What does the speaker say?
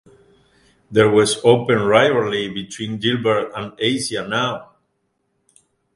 There was open rivalry between Gilbert and Asia now.